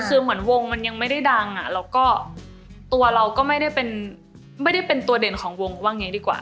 คือเหมือนวงมันยังไม่ได้ดังแล้วก็ตัวเราก็ไม่ได้เป็นตัวเด่นของวงว่างี้ดีกว่า